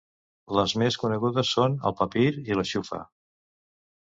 Les més conegudes són el papir i la xufa.